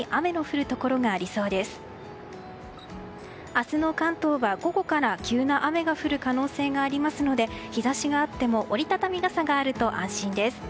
明日の関東は午後から急な雨が降る可能性があるので日差しがあっても折り畳み傘があると安心です。